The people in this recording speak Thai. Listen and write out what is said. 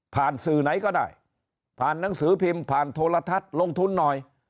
สื่อไหนก็ได้ผ่านหนังสือพิมพ์ผ่านโทรทัศน์ลงทุนหน่อย